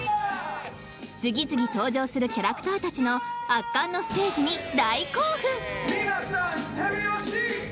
［次々登場するキャラクターたちの圧巻のステージに］